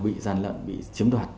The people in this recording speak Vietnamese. bị gian lận bị chiếm đoạt